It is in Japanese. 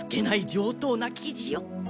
上等な生地よ。